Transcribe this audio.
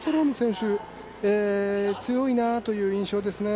手強いなという印象ですね。